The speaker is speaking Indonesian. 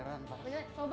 enak tidak dipakainya coba